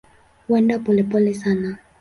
Huenda polepole sana.